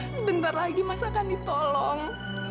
sebentar lagi masa akan ditolong